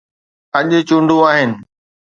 اڄ چونڊون آهن.